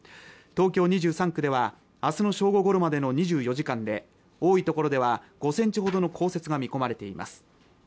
東京２３区ではあすの正午頃までの２４時間で多い所では５センチほどの降雪が見込まれています